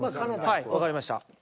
はいわかりました。